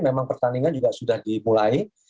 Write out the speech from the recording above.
memang pertandingan juga sudah dimulai